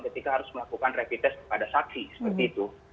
ketika harus melakukan rapid test kepada saksi seperti itu